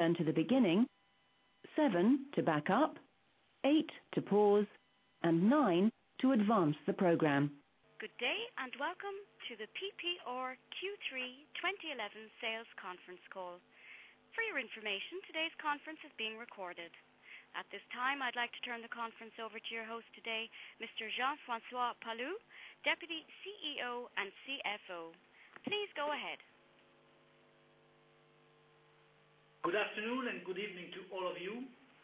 Turn to the beginning, 7 to back up, 8 to pause, and 9 to advance the program. Good day and welcome to the Kering Q3 2011 Sales Conference Call. For your information, today's conference is being recorded. At this time, I'd like to turn the conference over to your host today, Mr. Jean-François Palus, Deputy CEO and CFO. Please go ahead. Good afternoon and good evening to all of you.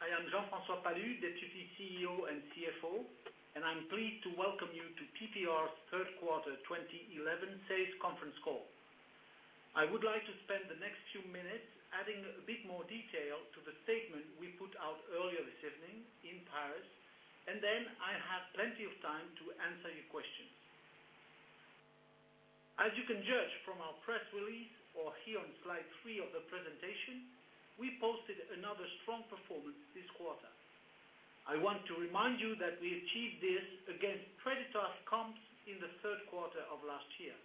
I am Jean-François Palus, Deputy CEO and CFO, and I'm pleased to welcome you to Kering's Third Quarter 2011 Sales Conference Call. I would like to spend the next few minutes adding a bit more detail to the statement we put out earlier this evening in Paris, and then I have plenty of time to answer your questions. As you can judge from our press release, or here on slide three of the presentation, we posted another strong performance this quarter. I want to remind you that we achieved this against creditors' comps in the third quarter of last year.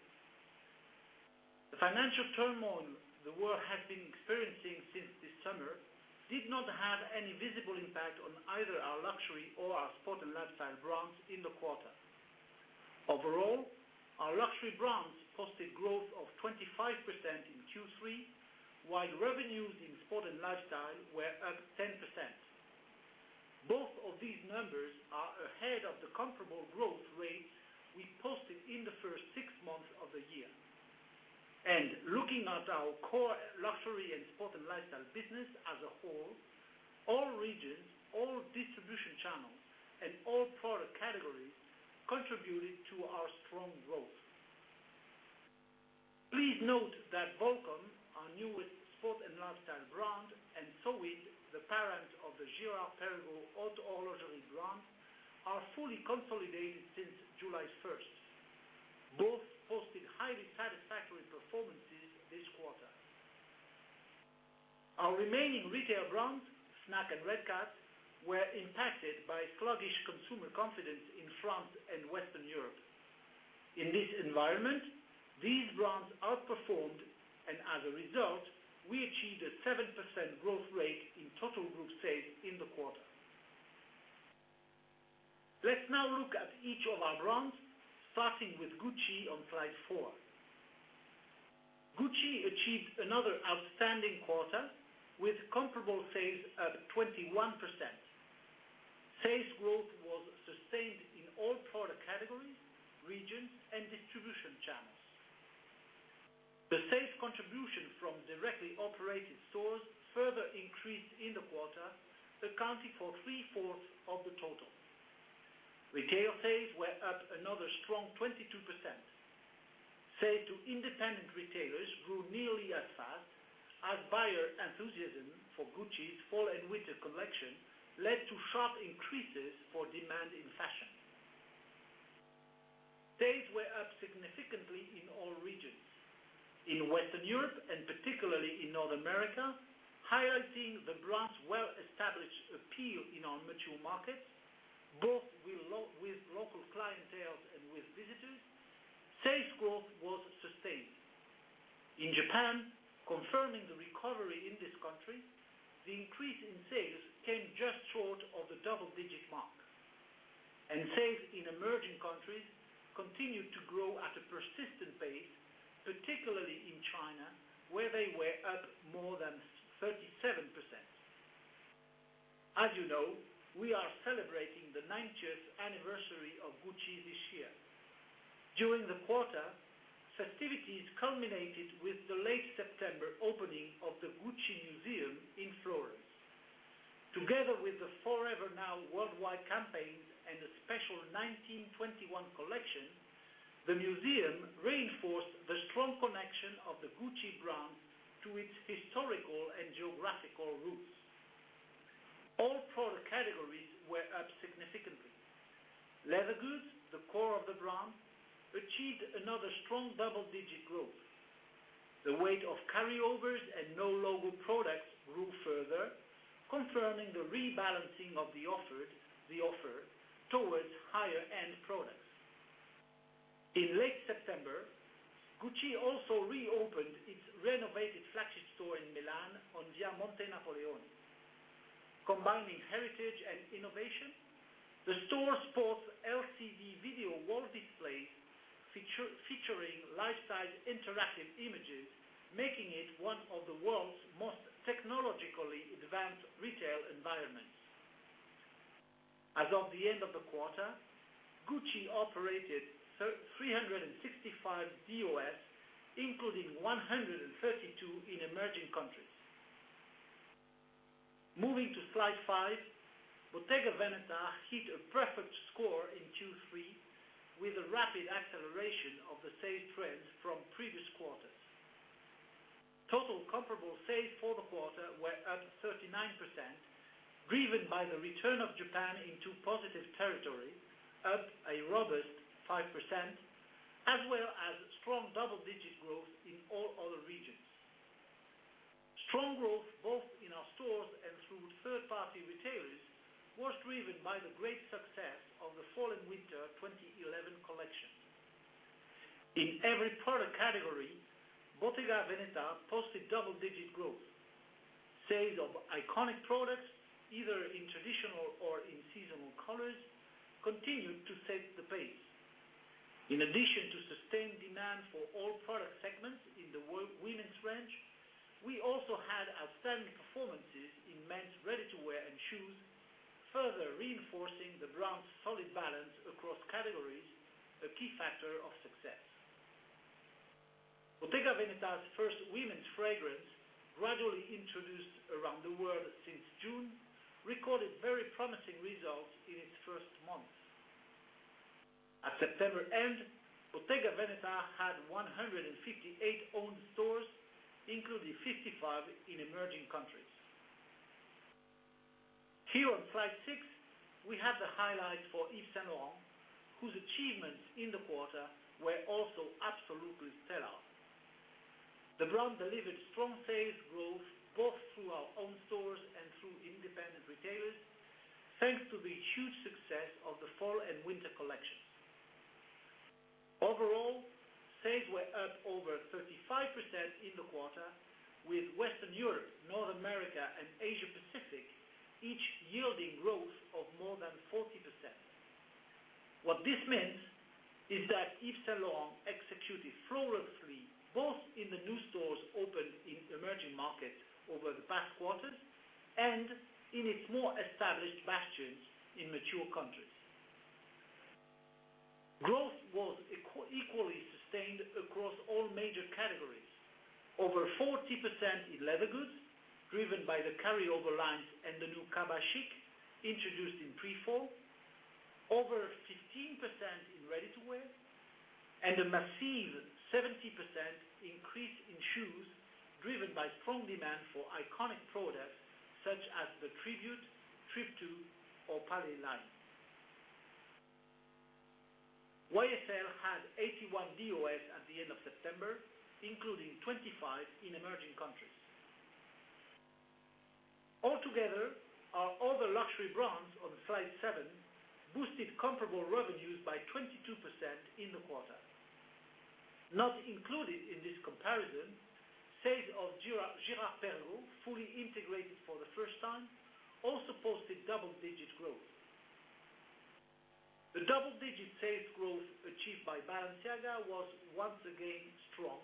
The financial turmoil the world has been experiencing since this summer did not have any visible impact on either our luxury or our sport and lifestyle brands in the quarter. Overall, our luxury brands posted growth of 25% in Q3, while revenues in sport and lifestyle were up 10%. Both of these numbers are ahead of the comparable growth rate we posted in the first six months of the year. Looking at our core luxury and sport and lifestyle business as a whole, all regions, all distribution channels, and all product categories contributed to our strong growth. Please note that Volcom, our newest sport and lifestyle brand, and Sowind Group, the parent of the Girard-Perregaux Haute Horlogerie brand, are fully consolidated since July 1. Both posted highly satisfactory performances this quarter. Our remaining retail brands, FNAC and Redcats, were impacted by sluggish consumer confidence in France and Western Europe. In this environment, these brands outperformed, and as a result, we achieved a 7% growth rate in total group sales in the quarter. Let's now look at each of our brands, starting with Gucci on slide four. Gucci achieved another outstanding quarter with comparable sales up 21%. Sales growth was sustained in all product categories, regions, and distribution channels. The sales contribution from directly operated stores further increased in the quarter, accounting for three-fourths of the total. Retail sales were up another strong 22%. Sales to independent retailers grew nearly as fast as buyer enthusiasm for Gucci's Fall and Winter collection led to sharp increases for demand in fashion. Sales were up significantly in all regions. In Western Europe and particularly in North America, highlighting the brand's well-established appeal in our mature markets, both with local clientele and with visitors, sales growth was sustained. In Japan, confirming the recovery in this country, the increase in sales came just short of the double-digit mark. Sales in emerging countries continued to grow at a persistent pace, particularly in China, where they were up more than 37%. As you know, we are celebrating the 90th anniversary of Gucci this year. During the quarter, festivities culminated with the late-September opening of the Gucci Museum in Florence. Together with the Forever Now Worldwide Campaign and a special 1921 collection, the museum reinforced the strong connection of the Gucci brand to its historical and geographical roots. All product categories were up significantly. Leather goods, the core of the brand, achieved another strong double-digit growth. The weight of carryovers and no-logo products grew further, confirming the rebalancing of the offer towards higher-end products. In late September, Gucci also reopened its renovated flagship store in Milan on Via Monte Napoleone. Combining heritage and innovation, the store sports an LCD video wall display featuring life-size interactive images, making it one of the world's most technologically advanced retail environments. As of the end of the quarter, Gucci operated 365 DOFs, including 132 in emerging countries. Moving to slide five, Bottega Veneta hit a perfect score in Q3 with a rapid acceleration of the sales trends from previous quarters. Total comparable sales for the quarter were up 39%, driven by the return of Japan into positive territory, up a robust 5%, as well as strong double-digit growth in all other regions. Strong growth both in our stores and through third-party retailers was driven by the great success of the fall and winter 2011 collection. In every product category, Bottega Veneta posted double-digit growth. Sales of iconic products, either in traditional or in seasonal colors, continued to set the pace. In addition to sustained demand for all product segments in the women's range, we also had outstanding performances in men's ready-to-wear and shoes, further reinforcing the brand's solid balance across categories, a key factor of success. Bottega Veneta's first women's fragrance, gradually introduced around the world since June, recorded very promising results in its first months. At September end, Bottega Veneta had 158 owned stores, including 55 in emerging countries. Here on slide six, we have the highlight for Yves Saint Laurent, whose achievements in the quarter were also absolutely stellar. The brand delivered strong sales growth both through our own stores and through independent retailers, thanks to the huge success of the fall and winter collections. Overall, sales were up over 35% in the quarter, with Western Europe, North America, and Asia-Pacific each yielding growth of more than 40%. What this means is that Yves Saint Laurent executed flawlessly both in the new stores opened in emerging markets over the past quarters and in its more established bastions in mature countries. Growth was equally sustained across all major categories: over 40% in leather goods, driven by the carryover lines and the new Cabas Chyc introduced in pre-fall; over 15% in ready-to-wear; and a massive 70% increase in shoes, driven by strong demand for iconic products such as the Tribute, Tribtoo, or Palais Line. Yves Saint Laurent had 81 DOS at the end of September, including 25 in emerging countries. Altogether, our other luxury brands on slide seven boosted comparable revenues by 22% in the quarter. Not included in this comparison, sales of Girard-Perregaux, fully integrated for the first time, also posted double-digit growth. The double-digit sales growth achieved by Balenciaga was once again strong,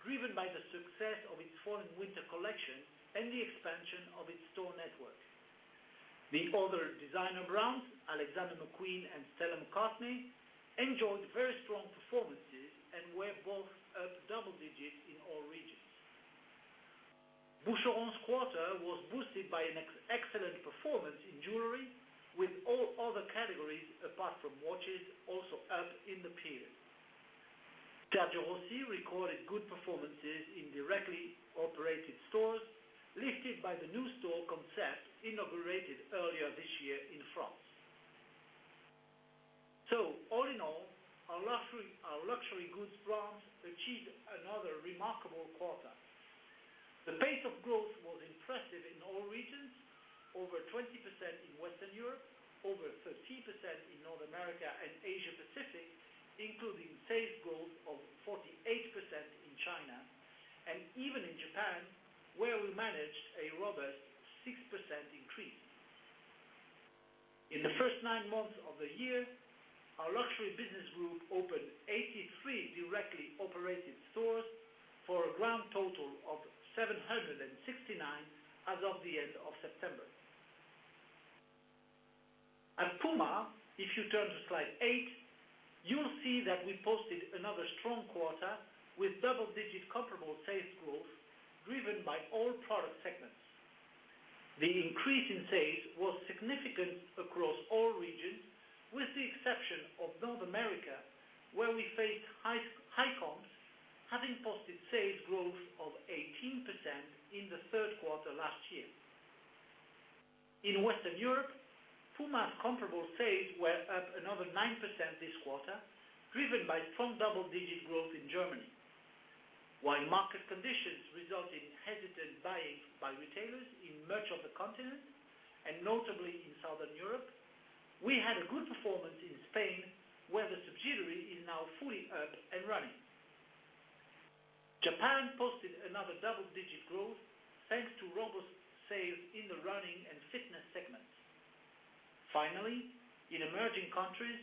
driven by the success of its fall and winter collection and the expansion of its store network. The other designer brands, Alexander McQueen and Stella McCartney, enjoyed very strong performances and were both up double-digits in all regions. Boucheron's quarter was boosted by an excellent performance in jewelry, with all other categories apart from watches also up in the period. Pomellato recorded good performances in directly operated stores, lifted by the new store concept inaugurated earlier this year in France. All in all, our luxury goods brand achieved another remarkable quarter. The pace of growth was impressive in all regions: over 20% in Western Europe, over 13% in North America and Asia-Pacific, including sales growth of 48% in China, and even in Japan, where we managed a robust 6% increase. In the first nine months of the year, our luxury business group opened 83 directly operated stores for a grand total of 769 as of the end of September. If you turn to slide eight, you'll see that we posted another strong quarter with double-digit comparable sales growth, driven by all product segments. The increase in sales was significant across all regions, with the exception of North America, where we faced high comps, having posted sales growth of 18% in the third quarter last year. In Western Europe, Puma's comparable sales were up another 9% this quarter, driven by strong double-digit growth in Germany. While market conditions resulted in hesitant buying by retailers in much of the continent, and notably in Southern Europe, we had a good performance in Spain, where the subsidiary is now fully up and running. Japan posted another double-digit growth, thanks to robust sales in the running and fitness segments. Finally, in emerging countries,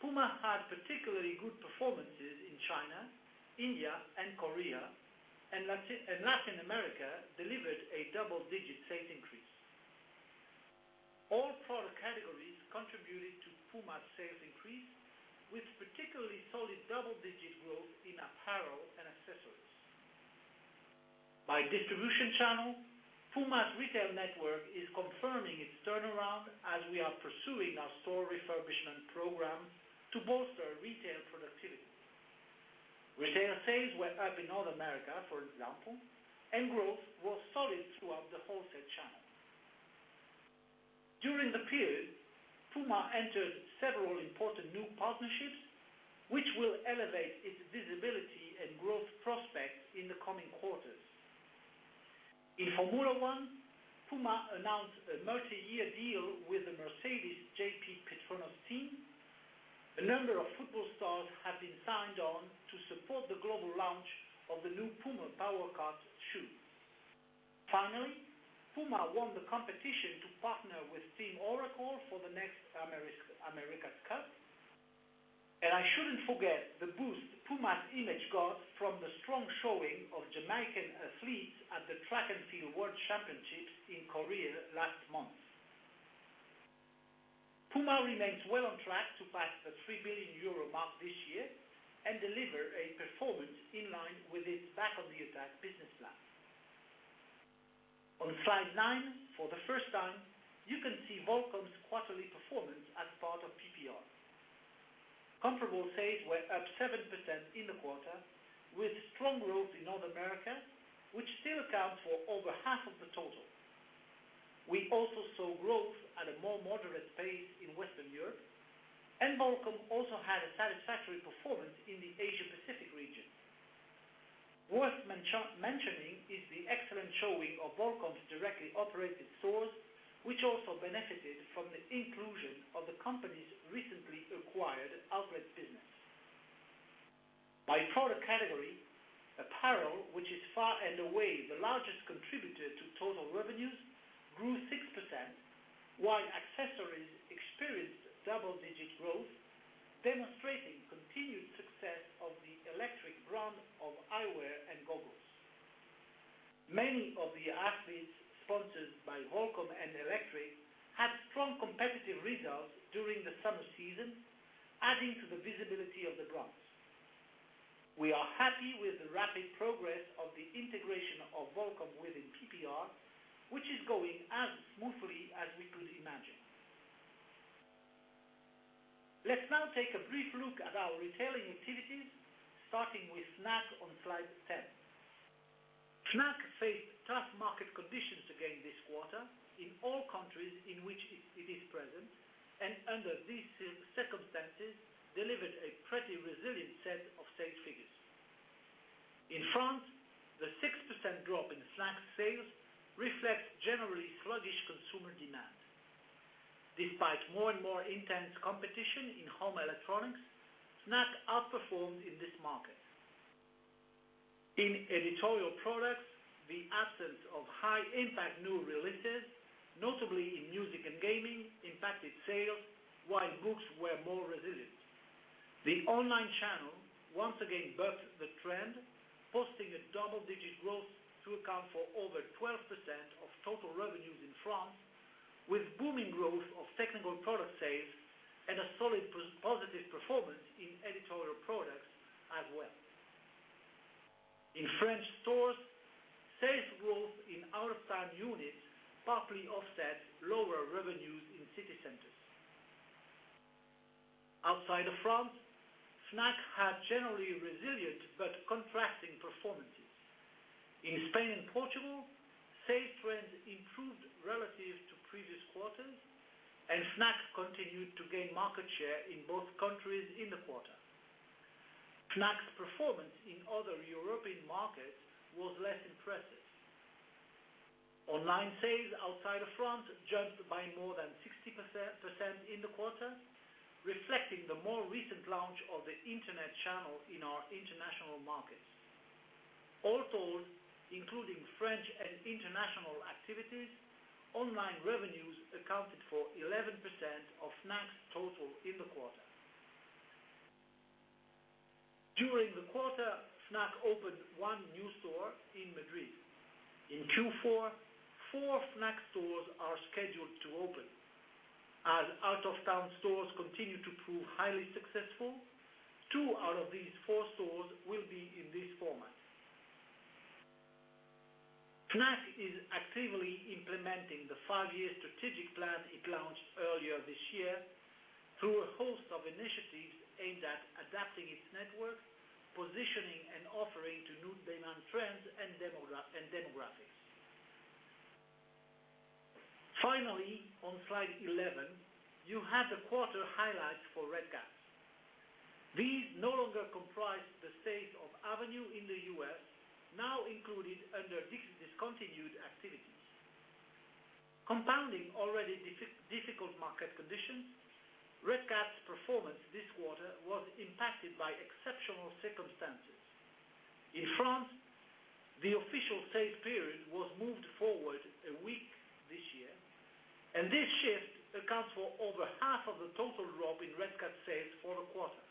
Puma had particularly good performances in China, India, and Korea, and Latin America delivered a double-digit sales increase. All product categories contributed to Puma's sales increase, with particularly solid double-digit growth in apparel and accessories. By distribution channel, Puma's retail network is confirming its turnaround as we are pursuing our store refurbishment program to bolster retail productivity. Retail sales were up in North America, for example, and growth was solid throughout the wholesale channel. During the period, Puma entered several important new partnerships, which will elevate its visibility and growth prospects in the coming quarters. In Formula One, Puma announced a multi-year deal with the Mercedes JP Petronas team. A number of football stars have been signed on to support the global launch of the new Puma Power Cut shoes. Finally, Puma won the competition to partner with Team Oracle for the next America's Cup. I shouldn't forget the boost Puma's image got from the strong showing of Jamaican athletes at the track and field world championships in Korea last month. Puma remains well on track to pass the 3 billion euro mark this year and deliver a performance in line with its back of the attack business plan. On slide nine, for the first time, you can see Volcom's quarterly performance as part of PPR. Comparable sales were up 7% in the quarter, with strong growth in North America, which still accounts for over half of the total. We also saw growth at a more moderate pace in Western Europe, and Volcom also had a satisfactory performance in the Asia-Pacific region. Worth mentioning is the excellent showing of Volcom's directly operated stores, which also benefited from the inclusion of the company's recently acquired outlet business. By product category, apparel, which is far and away the largest contributor to total revenues, grew 6%, while accessories experienced double-digit growth, demonstrating continued success of the Electric brand of eyewear and goggles. Many of the athletes sponsored by Volcom and Electric had strong competitive results during the summer season, adding to the visibility of the brands. We are happy with the rapid progress of the integration of Volcom within PPR, which is going as smoothly as we could imagine. Let's now take a brief look at our retailing activities, starting with FNAC on slide ten. FNAC faced tough market conditions again this quarter in all countries in which it is present, and under these circumstances, delivered a pretty resilient set of sales figures. In France, the 6% drop in FNAC's sales reflects generally sluggish consumer demand. Despite more and more intense competition in home electronics, FNAC outperformed in this market. In editorial products, the absence of high-impact new releases, notably in music and gaming, impacted sales, while books were more resilient. The online channel once again bucked the trend, posting double-digit growth to account for over 12% of total revenues in France, with booming growth of technical product sales and a solid positive performance in editorial products as well. In French stores, sales growth in outstanding units partly offset lower revenues in city centers. Outside France, FNAC had generally resilient but contrasting performances. In Spain and Portugal, sales trends improved relative to previous quarters, and FNAC continued to gain market share in both countries in the quarter. FNAC's performance in other European markets was less impressive. Online sales outside France jumped by more than 60% in the quarter, reflecting the more recent launch of the internet channel in our international markets. All told, including French and international activities, online revenues accounted for 11% of FNAC's total in the quarter. During the quarter, FNAC opened one new store in Madrid. In Q4, four FNAC stores are scheduled to open. As out-of-town stores continue to prove highly successful, two out of these four stores will be in this format. FNAC is actively implementing the five-year strategic plan it launched earlier this year through a host of initiatives aimed at adapting its network, positioning, and offering to new demand trends and demographics. Finally, on slide 11, you have the quarter highlights for Redcats. These no longer comprise the sales of Avenue in the U.S., now included under discontinued activities. Compounding already difficult market conditions, Redcats' performance this quarter was impacted by exceptional circumstances. In France, the official sales period was moved forward a week this year, and this shift accounts for over half of the total drop in Redcats sales for the quarter.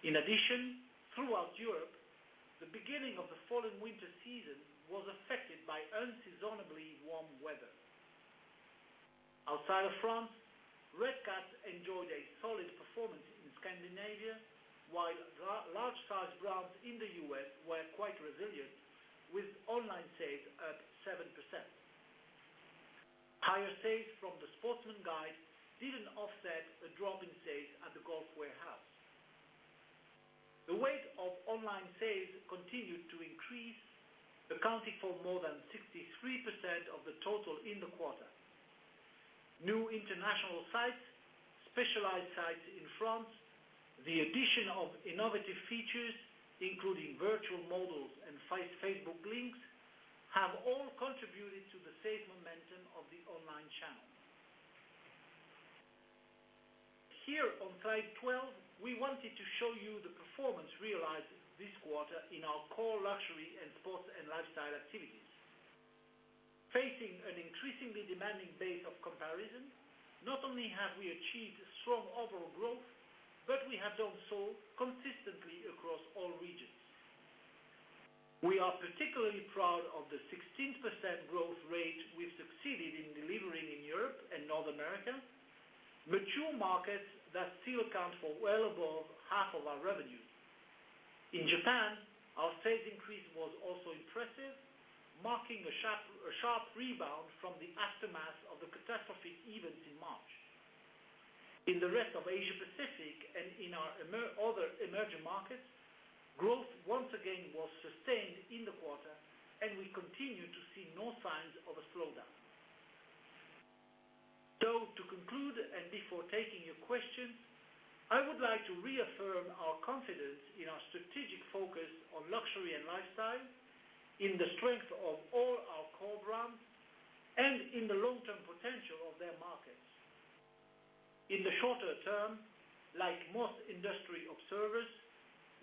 In addition, throughout Europe, the beginning of the fall and winter season was affected by unseasonably warm weather. Outside of France, Redcats enjoyed a solid performance in Scandinavia, while large-sized brands in the U.S. were quite resilient, with online sales up 7%. Higher sales from the Sportsman Guide didn't offset a drop in sales at the Golf Warehouse. The weight of online sales continued to increase, accounting for more than 63% of the total in the quarter. New international sites, specialized sites in France, the addition of innovative features, including virtual models and Facebook links, have all contributed to the sales momentum of the online channel. Here on slide 12, we wanted to show you the performance realized this quarter in our core luxury and sports and lifestyle activities. Facing an increasingly demanding base of comparison, not only have we achieved strong overall growth, but we have done so consistently across all regions. We are particularly proud of the 16% growth rate we've succeeded in delivering in Europe and North America, mature markets that still account for well above half of our revenues. In Japan, our sales increase was also impressive, marking a sharp rebound from the aftermath of the catastrophic event in March. In the rest of Asia-Pacific and in our other emerging markets, growth once again was sustained in the quarter, and we continue to see no signs of a slowdown. To conclude and before taking your questions, I would like to reaffirm our confidence in our strategic focus on luxury and lifestyle, in the strength of all our core brands, and in the long-term potential of their markets. In the shorter term, like most industry observers,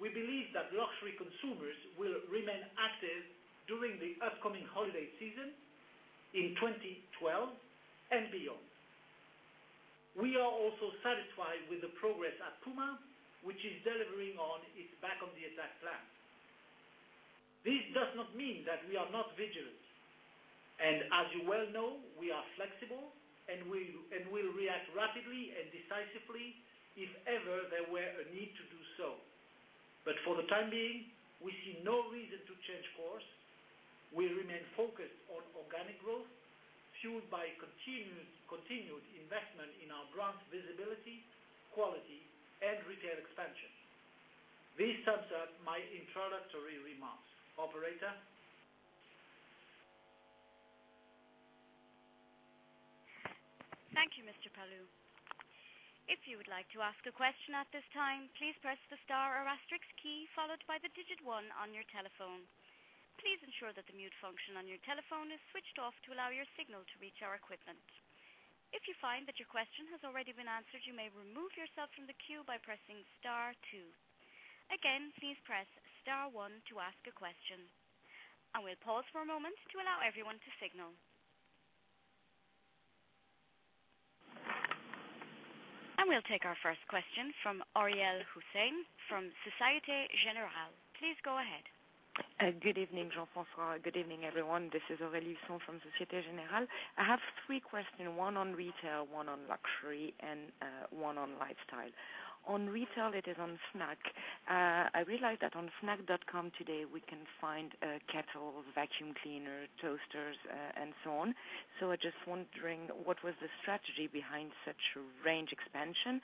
we believe that luxury consumers will remain active during the upcoming holiday season in 2012 and beyond. We are also satisfied with the progress at Puma, which is delivering on its back-on-the-attack plan. This does not mean that we are not vigilant, and as you well know, we are flexible and will react rapidly and decisively if ever there were a need to do so. For the time being, we see no reason to change course. We remain focused on organic growth, fueled by continued investment in our brand's visibility, quality, and retail expansion. This sums up my introductory remarks. Operator. Thank you, Mr. Palus. If you would like to ask a question at this time, please press the star or asterisk key followed by the digit one on your telephone. Please ensure that the mute function on your telephone is switched off to allow your signal to reach our equipment. If you find that your question has already been answered, you may remove yourself from the queue by pressing star two. Again, please press star one to ask a question. I will pause for a moment to allow everyone to signal. We'll take our first question from Arielle Hussein from Société Générale. Please go ahead. Good evening, Jean-François. Good evening, everyone. This is Aurélie Dumoutier from Société Générale. I have three questions, one on retail, one on luxury, and one on lifestyle. On retail, it is on FNAC. I realized that on fnac.com today, we can find a kettle, vacuum cleaner, toasters, and so on. I'm just wondering, what was the strategy behind such a range expansion?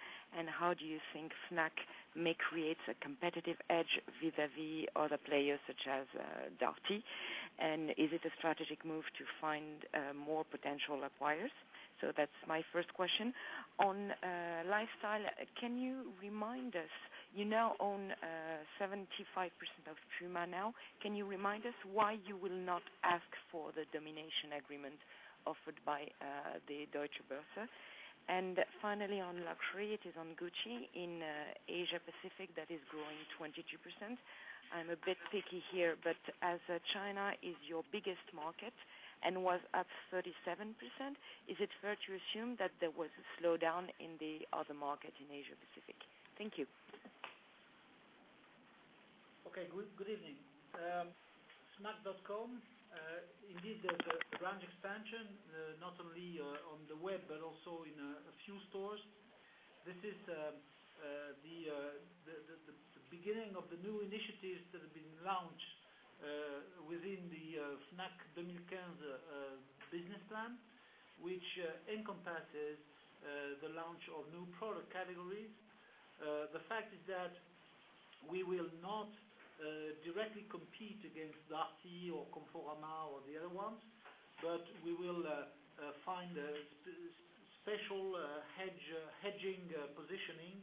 How do you think FNAC may create a competitive edge vis-à-vis other players such as Darty? Is it a strategic move to find more potential acquirers? That's my first question. On lifestyle, can you remind us, you now own 75% of Puma now. Can you remind us why you will not ask for the domination agreement offered by the Deutsche Börse? Finally, on luxury, it is on Gucci in Asia-Pacific that is growing 22%. I'm a bit picky here, but as China is your biggest market and was up 37%, is it fair to assume that there was a slowdown in the other markets in Asia-Pacific? Thank you. Okay. Good evening. Fnac.com, indeed, there's a branch expansion, not only on the web, but also in a few stores. This is the beginning of the new initiatives that have been launched within the FNAC 2015 business plan, which encompasses the launch of new product categories. The fact is that we will not directly compete against Darty or Conforama or the other ones, but we will find a special hedging positioning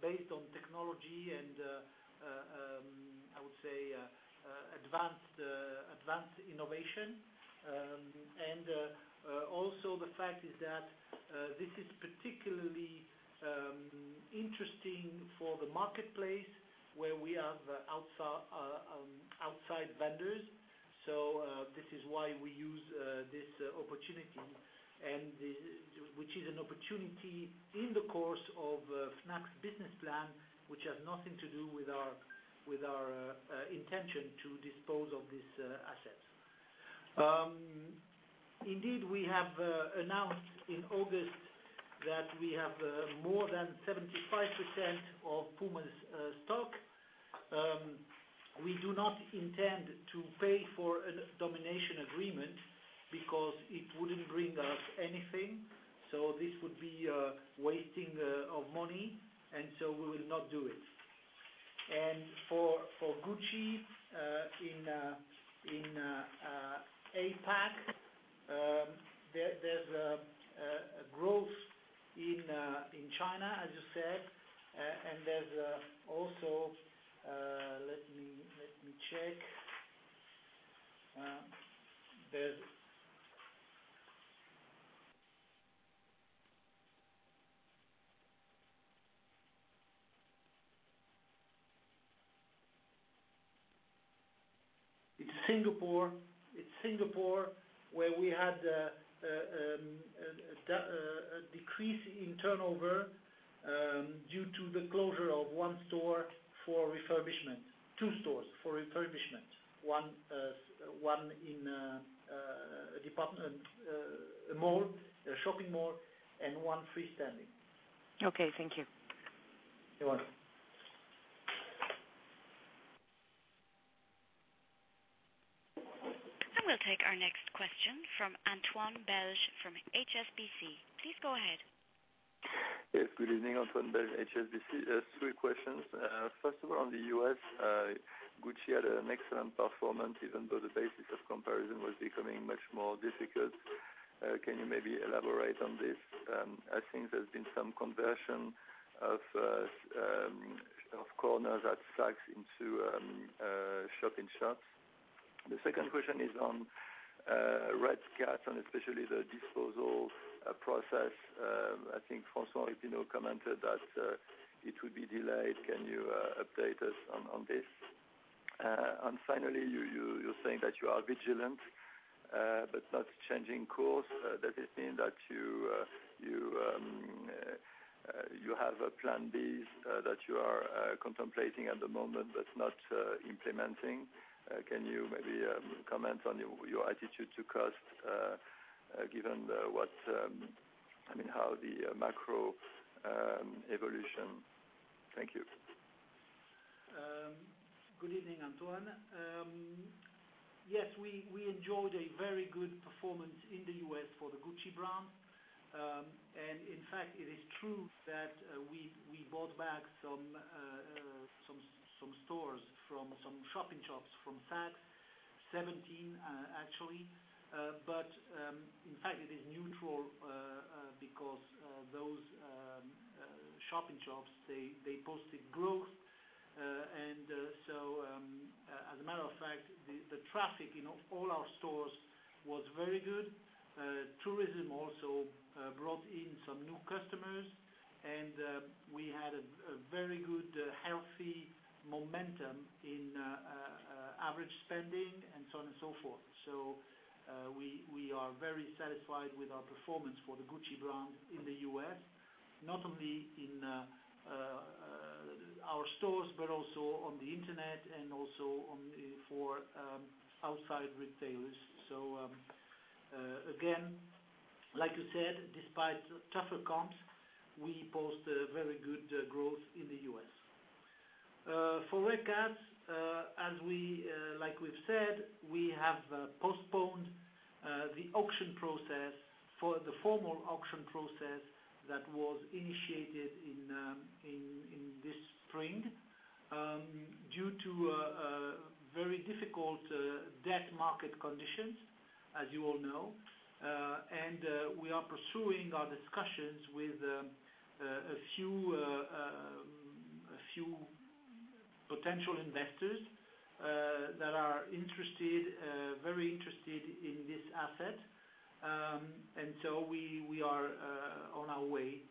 based on technology and, I would say, advanced innovation. Also, the fact is that this is particularly interesting for the marketplace where we have outside vendors. This is why we use this opportunity, which is an opportunity in the course of FNAC's business plan, which has nothing to do with our intention to dispose of these assets. Indeed, we have announced in August that we have more than 75% of Puma's stock. We do not intend to pay for a domination agreement because it wouldn't bring us anything. This would be a wasting of money, and we will not do it. For Gucci, in APAC, there's a growth in China, as you said, and there's also, let me check. It's Singapore. It's Singapore where we had a decrease in turnover due to the closure of one store for refurbishment. Two stores for refurbishment. One in a mall, a shopping mall, and one freestanding. Okay, thank you. You're welcome. We will take our next question from Antoine Belge from HSBC. Please go ahead. Yeah. Good evening, Antoine Belge, HSBC. Three questions. First of all, on the U.S., Gucci had an excellent performance, even though the basis of comparison was becoming much more difficult. Can you maybe elaborate on this? I think there's been some conversion of corners at Saks into shop-in-shops. The second question is on Redcats and especially the disposal process. I think François-Henri Pinault commented that it would be delayed. Can you update us on this? Finally, you say that you are vigilant but not changing course. Does it mean that you have a plan B that you are contemplating at the moment but not implementing? Can you maybe comment on your attitude to cost given what I mean, how the macro evolution? Thank you. Good evening, Antoine. Yes, we enjoyed a very good performance in the U.S. for the Gucci brand. In fact, it is true that we bought back some stores from some shopping shops from Saks, 17 actually. In fact, it is neutral because those shopping shops posted growth. As a matter of fact, the traffic in all our stores was very good. Tourism also brought in some new customers, and we had a very good, healthy momentum in average spending and so on and so forth. We are very satisfied with our performance for the Gucci brand in the U.S., not only in our stores but also on the internet and also for outside retailers. Again, like you said, despite tougher comps, we post very good growth in the U.S. For Redcats, as we've said, we have postponed the auction process for the formal auction process that was initiated in this spring due to very difficult debt market conditions, as you all know. We are pursuing our discussions with a few potential investors that are very interested in this asset. We are on our way,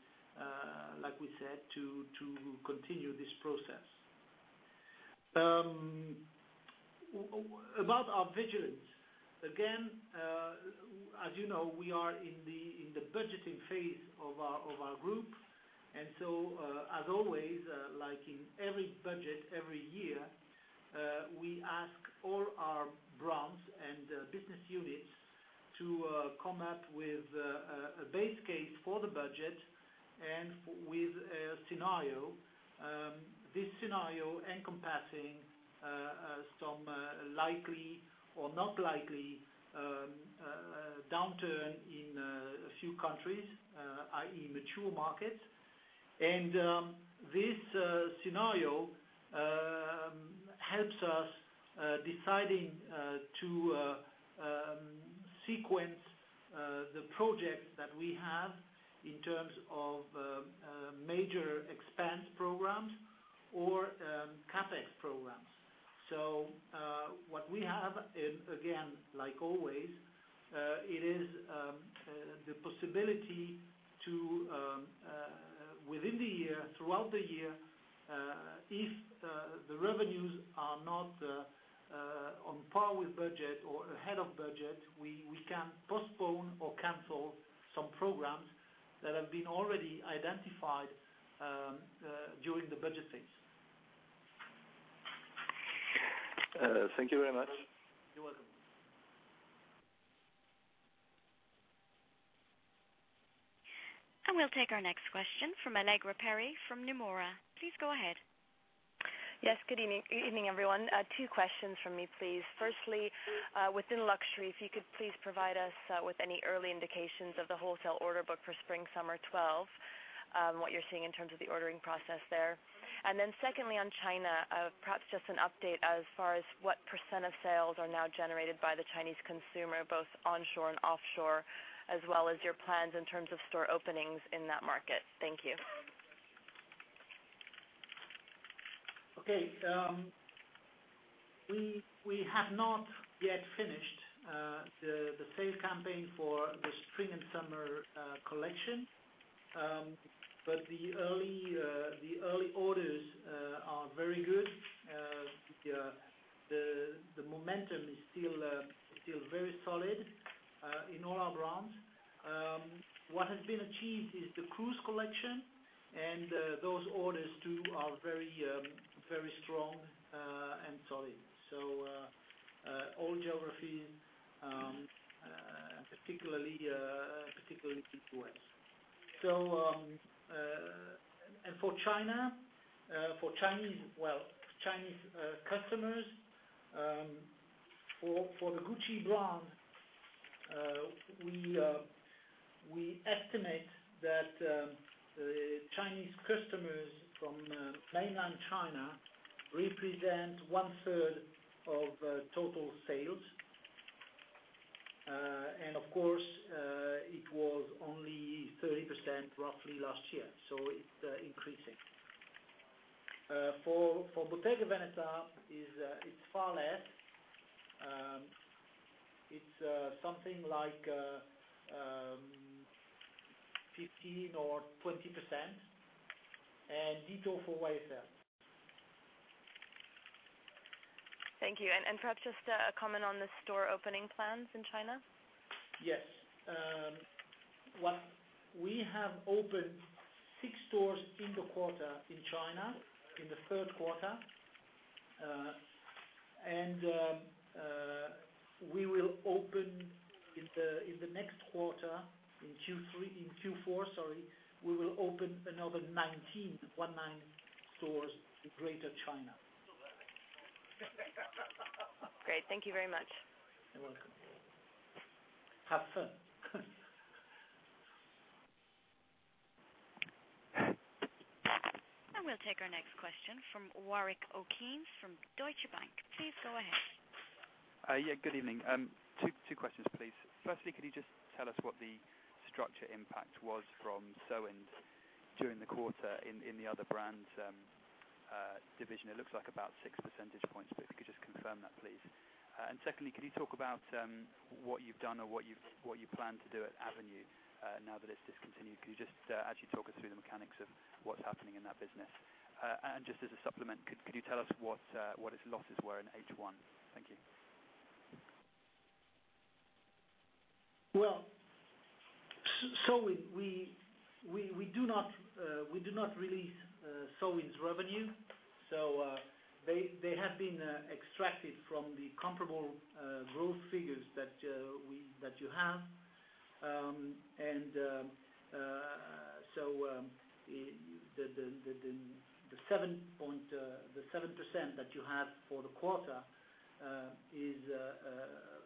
like we said, to continue this process. About our vigilance, as you know, we are in the budgeting phase of our group. As always, like in every budget every year, we ask all our brands and business units to come up with a base case for the budget and with a scenario. This scenario encompasses some likely or not likely downturn in a few countries, i.e., mature markets. This scenario helps us decide to sequence the project that we have in terms of major expense programs or CapEx programs. What we have, and again, like always, is the possibility to, throughout the year, if the revenues are not on par with budget or ahead of budget, we can postpone or cancel some programs that have been already identified during the budget phase. Thank you very much. You're welcome. We will take our next question from Allegra Perry from Nomura. Please go ahead. Yes. Good evening, everyone. Two questions from me, please. Firstly, within luxury, if you could please provide us with any early indications of the wholesale order book for Spring/Summer 2012, what you're seeing in terms of the ordering process there. Secondly, on China, perhaps just an update as far as what % of sales are now generated by the Chinese consumer, both onshore and offshore, as well as your plans in terms of store openings in that market. Thank you. Okay. We have not yet finished the sales campaign for the Spring/Summer 2012 collection, but the early orders are very good. The momentum is still very solid in all our brands. What has been achieved is the cruise collection, and those orders too are very, very strong and solid. All geographies, particularly the U.S. For China, for Chinese customers, for the Gucci brand, we estimate that the Chinese customers from mainland China represent 1/3 of total sales. It was only 30% roughly last year. It's increasing. For Bottega Veneta, it's far less. It's something like 15% or 20%. Ditto for Yves Saint Laurent. Thank you. Perhaps just a comment on the store opening plans in China? Yes. We have opened six stores in the quarter in China, in the third quarter. We will open in the next quarter, in Q4, another 19 stores in Greater China. Great, thank you very much. You're welcome. Have fun. We will take our next question from Warwick O'Keeffe from Deutsche Bank. Please go ahead. Yeah. Good evening. Two questions, please. Firstly, could you just tell us what the structure impact was from Sowind during the quarter in the other brands' division? It looks like about 6%, but if you could just confirm that, please. Secondly, can you talk about what you've done or what you plan to do at Avenue now that it's discontinued? Can you just actually talk us through the mechanics of what's happening in that business? As a supplement, could you tell us what its losses were in H1? Thank you. We do not release Sowind's revenue. They have been extracted from the comparable growth figures that you have. The 7% that you have for the quarter is,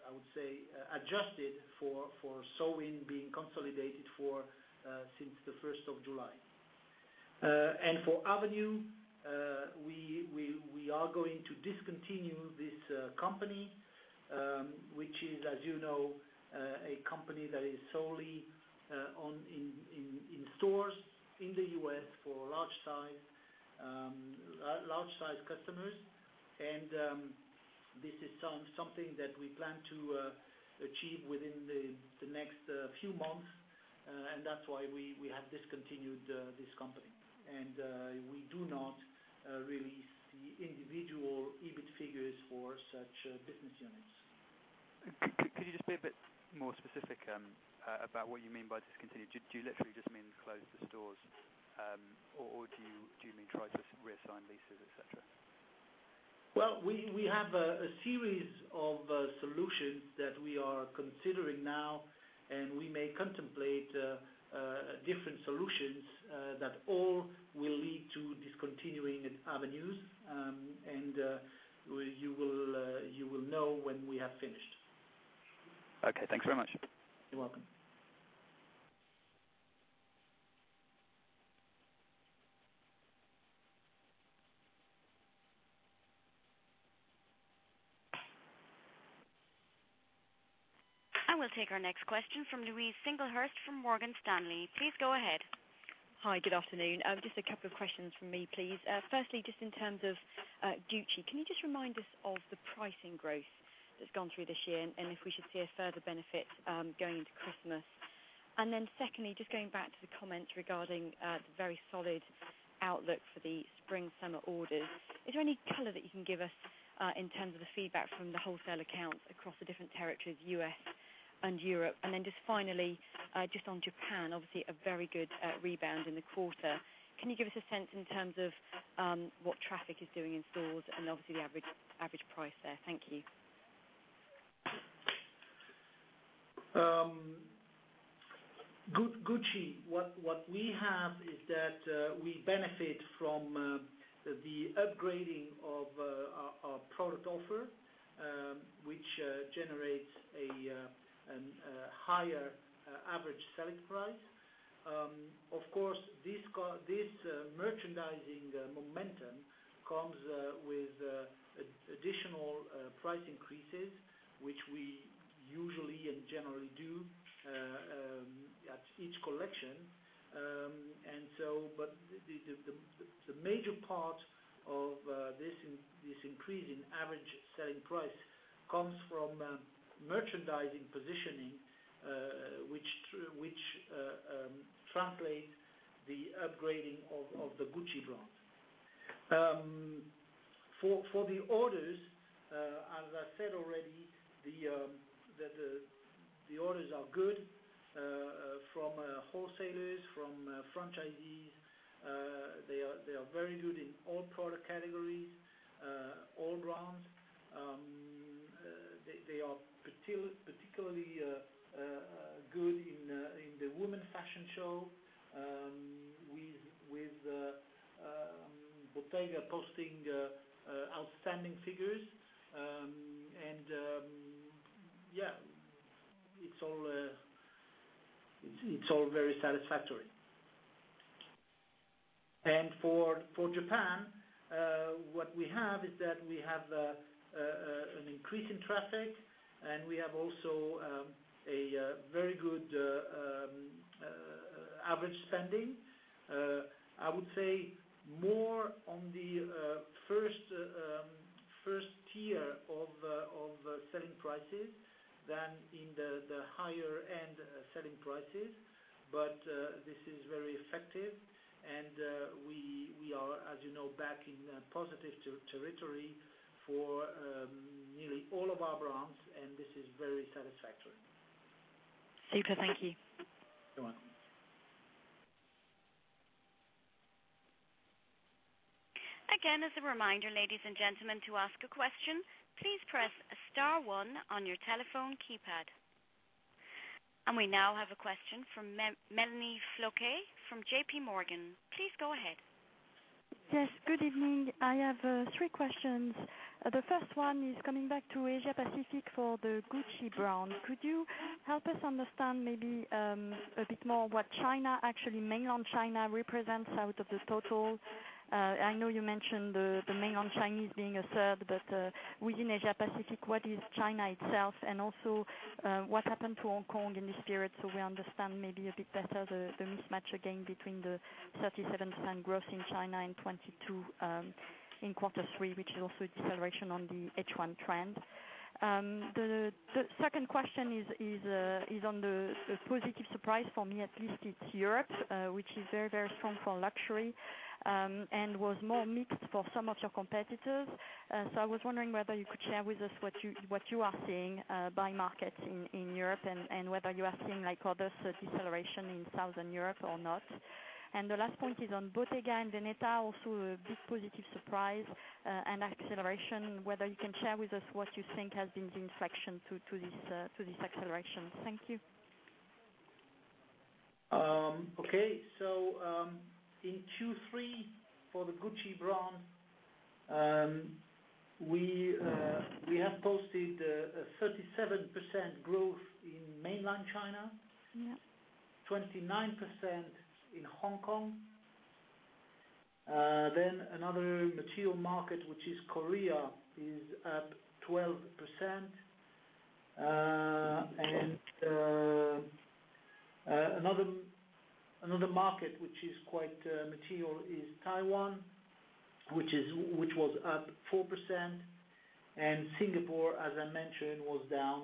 I would say, adjusted for Sowind being consolidated since July 1. For Avenue, we are going to discontinue this company, which is, as you know, a company that is solely in stores in the U.S. for large-sized customers. This is something that we plan to achieve within the next few months. That's why we have discontinued this company. We do not release the individual EBIT figures for such business units. Could you just be a bit more specific about what you mean by discontinue? Do you literally just mean close the stores, or do you mean try to reassign leases, etc.? We have a series of solutions that we are considering now, and we may contemplate different solutions that all will lead to discontinuing avenues. You will know when we have finished. Okay, thanks very much. You're welcome. We will take our next question from Louise Singlehurst from Morgan Stanley. Please go ahead. Hi. Good afternoon. Just a couple of questions from me, please. Firstly, just in terms of Gucci, can you just remind us of the pricing growth that's gone through this year and if we should see a further benefit going into Christmas? Secondly, just going back to the comments regarding the very solid outlook for the Spring/Summer 2012 order, is there any color that you can give us in terms of the feedback from the wholesale accounts across the different territories, U.S. and Europe? Finally, just on Japan, obviously, a very good rebound in the quarter. Can you give us a sense in terms of what traffic is doing in stores and obviously the average price there? Thank you. Gucci, what we have is that we benefit from the upgrading of our product offer, which generates a higher average selling price. Of course, this merchandising momentum comes with additional price increases, which we usually and generally do at each collection. The major part of this increase in average selling price comes from merchandising positioning, which translates the upgrading of the Gucci brand. For the orders, as I said already, the orders are good from wholesalers, from franchisees. They are very good in all product categories, all brands. They are particularly good in the women's fashion show with Bottega Veneta posting outstanding figures. It's all very satisfactory. For Japan, what we have is that we have an increase in traffic, and we have also a very good average spending. I would say more on the first tier of selling prices than in the higher-end selling prices. This is very effective. We are, as you know, back in positive territory for nearly all of our brands, and this is very satisfactory. Super. Thank you. You're welcome. Again, as a reminder, ladies and gentlemen, to ask a question, please press star one on your telephone keypad. We now have a question from Mélanie Flouquet from JP Morgan. Please go ahead. Yes. Good evening. I have three questions. The first one is coming back to Asia-Pacific for the Gucci brand. Could you help us understand maybe a bit more what China, actually mainland China, represents out of the total? I know you mentioned the mainland Chinese being a third, but within Asia-Pacific, what is China itself? Also, what happened to Hong Kong in this period so we understand maybe a bit better the mismatch again between the 37% growth in China and 22% in Q3, which is also a deterioration on the H1 trend? The second question is on the positive surprise for me. At least it's Europe, which is very, very strong for luxury and was more mixed for some of your competitors. I was wondering whether you could share with us what you are seeing by markets in Europe and whether you are seeing like all this deterioration in Southern Europe or not? The last point is on Bottega Veneta, also a big positive surprise and acceleration. Whether you can share with us what you think has been the inflection to this acceleration. Thank you. Okay. In Q3 for the Gucci brand, we have posted a 37% growth in mainland China, 29% in Hong Kong. Another mature market, which is Korea, is up 12%. Another market which is quite mature is Taiwan, which was up 4%. Singapore, as I mentioned, was down.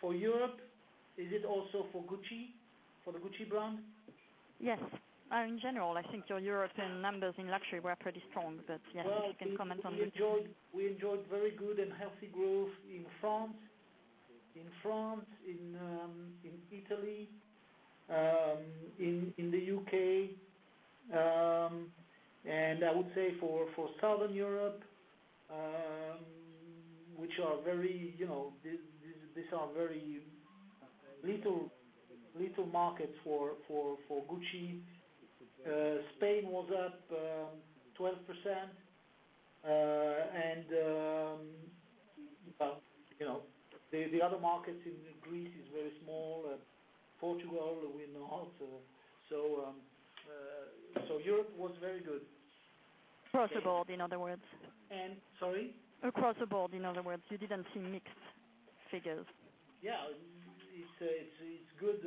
For Europe, is it also for Gucci, for the Gucci brand? Yes. In general, I think your European numbers in luxury were pretty strong, but yes, if you can comment on Gucci. We enjoyed very good and healthy growth in France, in Italy, in the U.K.. I would say for Southern Europe, which are very, you know, these are very little markets for Gucci. Spain was up 12%. The other markets in Greece are very small. Portugal, we know also. Europe was very good. Across the board, in other words. And sorry? Across the board, in other words, you didn't see mixed figures? Yeah, it's good.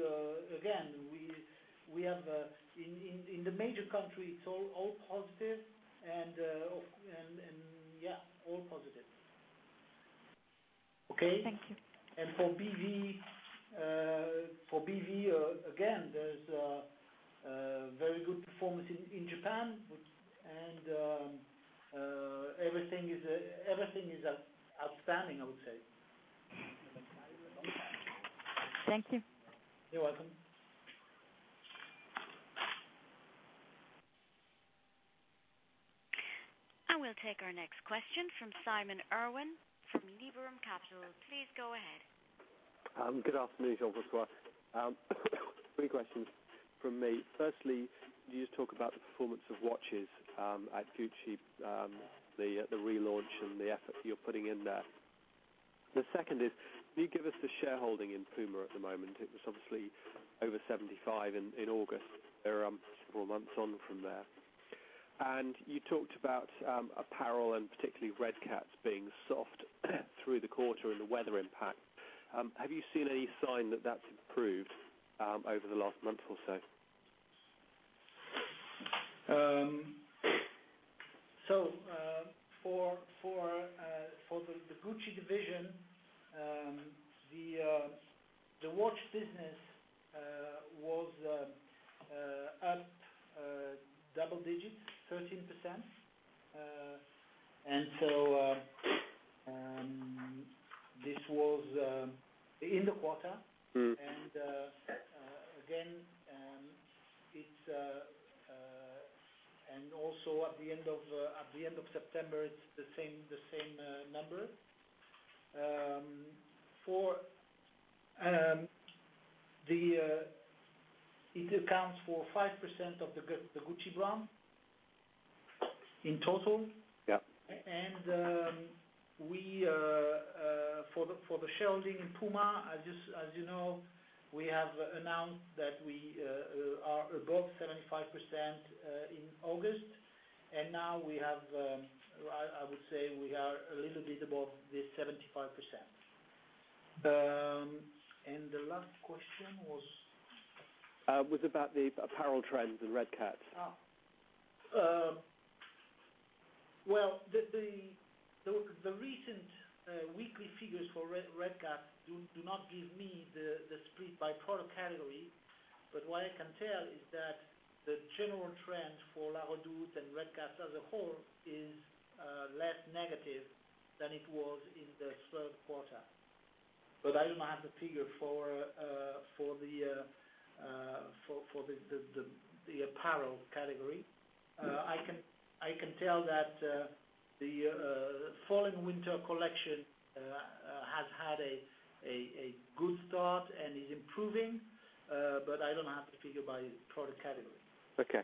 We have in the major countries, it's all positive. Yeah, all positive. Okay? Thank you. For BV, again, there's a very good performance in Japan. Everything is outstanding, I would say. Thank you. You're welcome. We will take our next question from Simon Irwin from Liberum Capital. Please go ahead. Good afternoon, Jean-François. Three questions from me. Firstly, you just talk about the performance of watches at Gucci, the relaunch, and the effort you're putting in there. The second is, can you give us the shareholding in Puma at the moment? It was obviously over 75% in August. We're a couple of months on from there. You talked about apparel and particularly Redcats being soft through the quarter and the weather impact. Have you seen any sign that that's improved over the last month or so? For the Gucci division, the watch business was up double digits, 13%. This was in the quarter, and also at the end of September, it's the same number. It accounts for 5% of the Gucci brand in total. For the shareholding in Puma, as you know, we have announced that we are above 75% in August. Now we have, I would say, we are a little bit above this 75%. The last question was? It was about the apparel trends in Redcats. Oh. The recent weekly figures for Redcats do not give me the split by product category. What I can tell is that the general trend for La Redoute and Redcats as a whole is less negative than it was in the third quarter. I don't have the figure for the apparel category. I can tell that the fall and winter collection has had a good start and is improving. I don't have the figure by product category. Okay.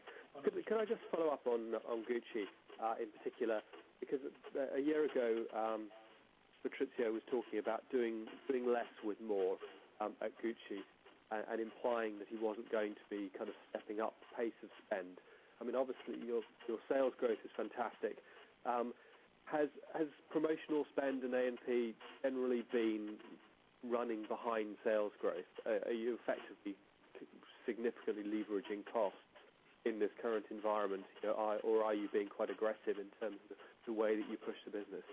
Can I just follow up on Gucci in particular? Because a year ago, Patrizio was talking about doing putting less with more at Gucci and implying that he wasn't going to be kind of stepping up the pace of spend. I mean, obviously, your sales growth is fantastic. Has promotional spend and A&P generally been running behind sales growth? Are you effectively significantly leveraging costs in this current environment? Are you being quite aggressive in terms of the way that you push the business?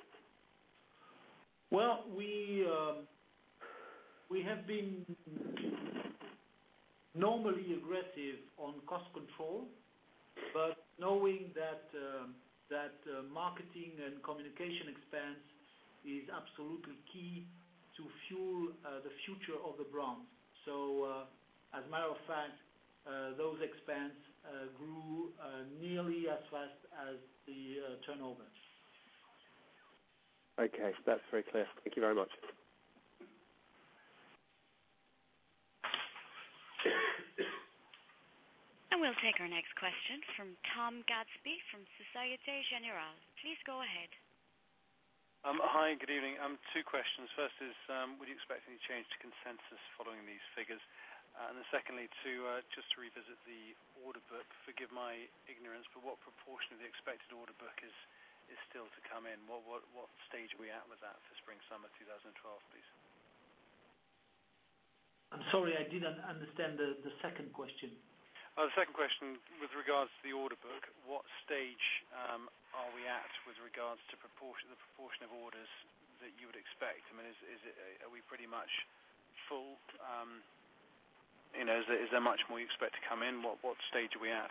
We have been normally aggressive on cost control, but knowing that marketing and communication expense is absolutely key to fuel the future of the brand. As a matter of fact, those expenses grew nearly as fast as the turnover. Okay. That's very clear. Thank you very much. We will take our next question from Tom Gadsby from Société Générale. Please go ahead. Hi. Good evening. I have two questions. First is, would you expect any change to consensus following these figures? Secondly, just to revisit the order book, forgive my ignorance, but what proportion of the expected order book is still to come in? What stage are we at with that for Spring/Summer 2012, please? I'm sorry, I didn't understand the second question. Oh, the second question with regards to the order book, what stage are we at with regards to the proportion of orders that you would expect? I mean, are we pretty much full? Is there much more you expect to come in? What stage are we at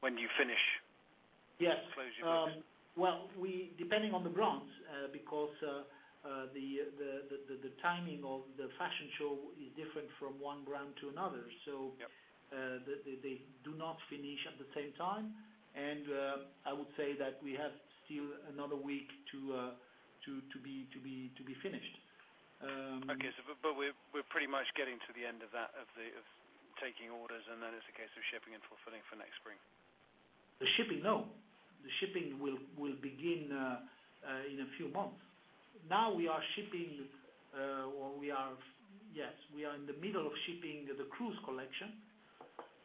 when you finish? Yes. Close your business? Depending on the brands, because the timing of the fashion show is different from one brand to another, they do not finish at the same time. I would say that we have still another week to be finished. Okay, we're pretty much getting to the end of that, of taking orders, and then it's a case of shipping and fulfilling for next spring? The shipping will begin in a few months. Now we are shipping, or yes, we are in the middle of shipping the cruise collection.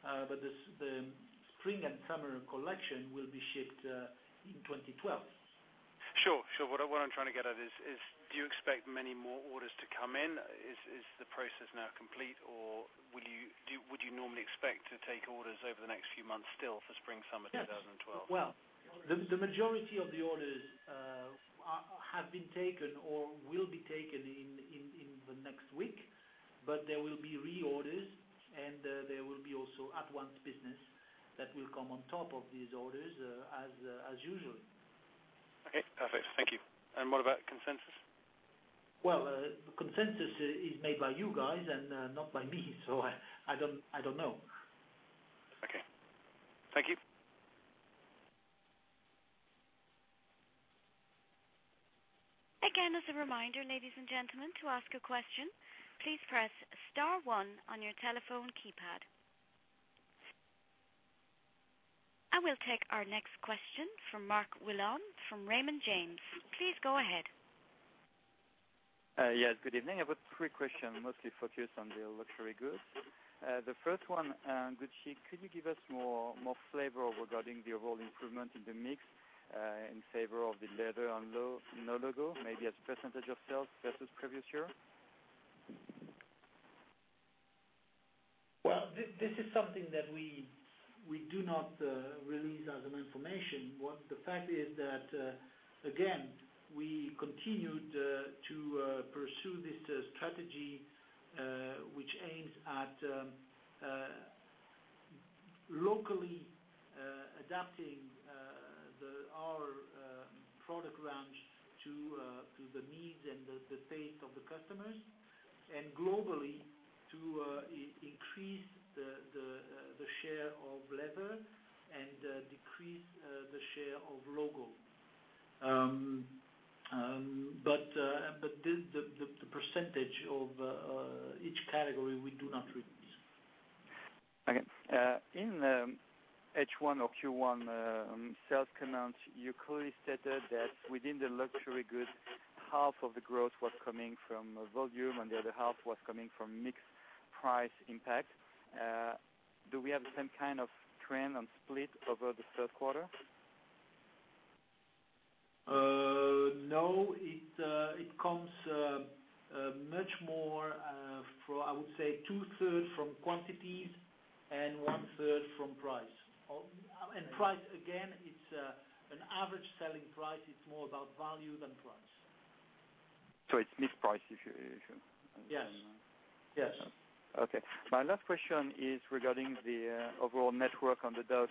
The Spring/Summer 2012 collection will be shipped in 2012. Sure. What I'm trying to get at is, do you expect many more orders to come in? Is the process now complete, or would you normally expect to take orders over the next few months still for Spring/Summer 2012? The majority of the orders have been taken or will be taken in the next week. There will be reorders, and there will be also at-once business that will come on top of these orders as usual. Okay. Perfect. Thank you. What about consensus? The consensus is made by you guys and not by me. I don't know. Okay. Thank you. Again, as a reminder, ladies and gentlemen, to ask a question, please press star one on your telephone keypad. We'll take our next question from Mark Willon from Raymond James. Please go ahead. Yeah. Good evening. I've got three questions, mostly focused on the luxury goods. The first one, Gucci, could you give us more flavor regarding the overall improvement in the mix in favor of the leather and no logo, maybe as a % of sales versus previous year? This is something that we do not release as information. The fact is that, again, we continued to pursue this strategy, which aims at locally adapting our product range to the needs and the taste of the customers, and globally to increase the share of leather and decrease the share of logo. The percentage of each category, we do not release. Okay. In H1 or Q1 sales comments, you clearly stated that within the luxury goods, half of the growth was coming from volume, and the other half was coming from mixed price impact. Do we have the same kind of trend and split over the third quarter? No. It comes much more, I would say, 2/3 from quantities and 1/3 from price. Price, again, it's an average selling price. It's more about value than price. It's mixed price if you understand? Yes. Okay. My last question is regarding the overall network on the dot.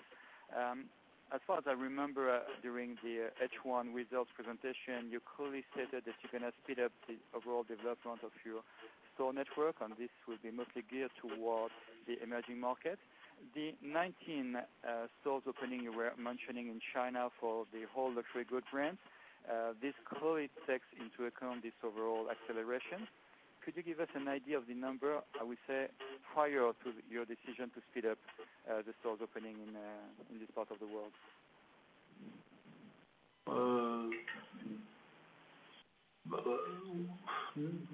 As far as I remember, during the H1 results presentation, you clearly stated that you're going to speed up the overall development of your store network, and this will be mostly geared toward the emerging market. The 19 stores opening you were mentioning in China for the whole luxury goods brand, this clearly takes into account this overall acceleration. Could you give us an idea of the number, I would say, prior to your decision to speed up the stores opening in this part of the world?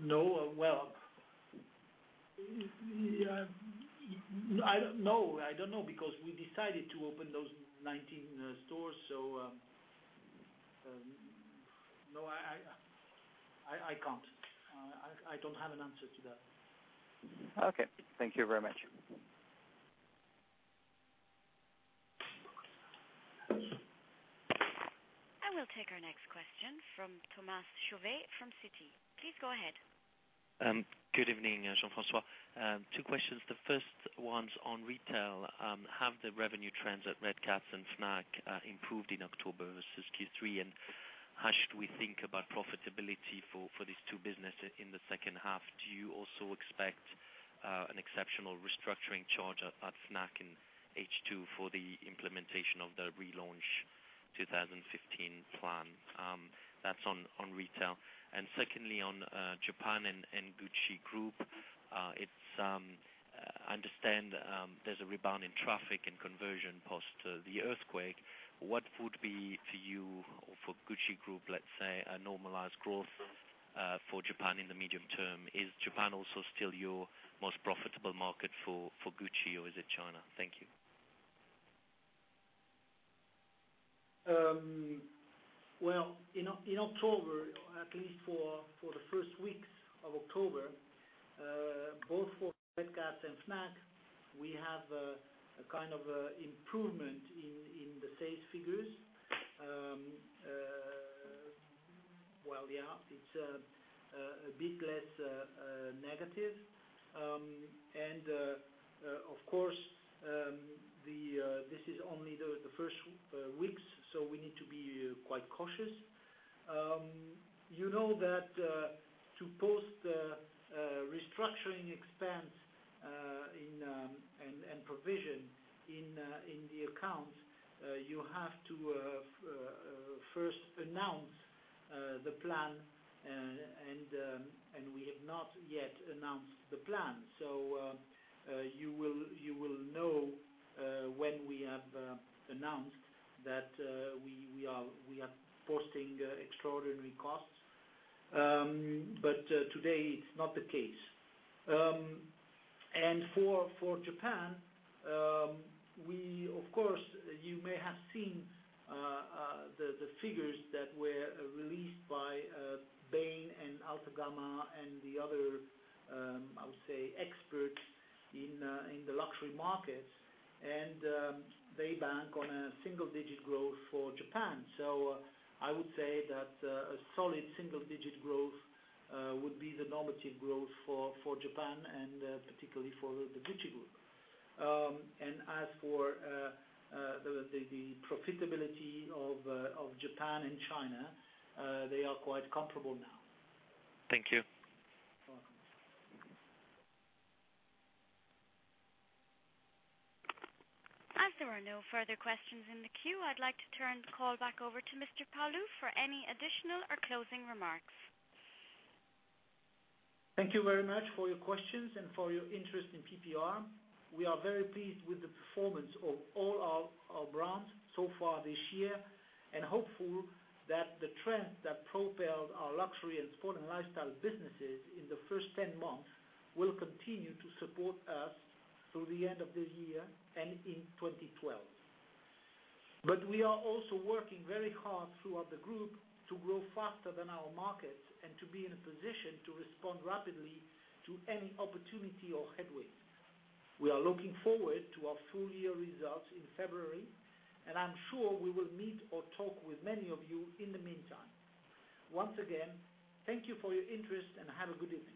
No, I don't know. I don't know because we decided to open those 19 stores. No, I can't. I don't have an answer to that. Okay, thank you very much. We'll take our next question from Thomas Chauvet from Citi. Please go ahead. Good evening, Jean-François. Two questions. The first one's on retail. Have the revenue trends at Redcats and FNAC improved in October versus Q3? How should we think about profitability for these two businesses in the second half? Do you also expect an exceptional restructuring charge at FNAC in H2 for the implementation of the relaunch 2015 plan? That's on retail. Secondly, on Japan and Gucci Group, I understand there's a rebound in traffic and conversion post the earthquake. What would be for you or for Gucci Group, let's say, a normalized growth for Japan in the medium term? Is Japan also still your most profitable market for Gucci, or is it China? Thank you. In October, at least for the first weeks of October, both for Redcats and FNAC, we have a kind of improvement in the sales figures. Yeah, it's a bit less negative. Of course, this is only the first weeks, so we need to be quite cautious. You know that to post the restructuring expense and provision in the accounts, you have to first announce the plan. We have not yet announced the plan. You will know when we have announced that we are posting extraordinary costs. Today, it's not the case. For Japan, of course, you may have seen the figures that were released by Bain and Altagamma and the other, I would say, experts in the luxury markets. They bank on a single-digit growth for Japan. I would say that a solid single-digit growth would be the normative growth for Japan and particularly for the Gucci Group. As for the profitability of Japan and China, they are quite comparable now. Thank you. You're welcome. As there are no further questions in the queue, I'd like to turn the call back over to Mr. Palus for any additional or closing remarks. Thank you very much for your questions and for your interest in PPR. We are very pleased with the performance of all our brands so far this year and hopeful that the trend that propelled our luxury and sporting lifestyle businesses in the first 10 months will continue to support us through the end of the year and in 2012. We are also working very hard throughout the group to grow faster than our markets and to be in a position to respond rapidly to any opportunity or headwinds. We are looking forward to our full-year results in February, and I'm sure we will meet or talk with many of you in the meantime. Once again, thank you for your interest and have a good evening.